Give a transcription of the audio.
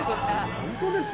本当ですね。